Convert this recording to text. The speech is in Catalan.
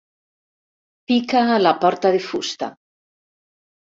Pica a la porta de fusta.